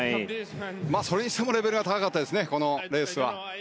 それにしてもレベルが高かったですね、このレースは。